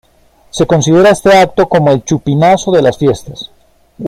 Se considera este acto como el chupinazo de las fiestas.